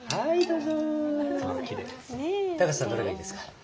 タカシさんどれがいいですか？